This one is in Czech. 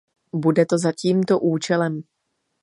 Bude to za tímto účelem.